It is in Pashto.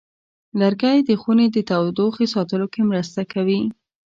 لرګی د خونې تودوخې ساتلو کې مرسته کوي.